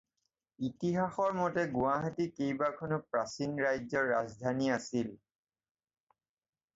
ইতিহাসৰ মতে গুৱাহাটী কেইবাখনো প্ৰাচীন ৰাজ্যৰ ৰাজধানী আছিল।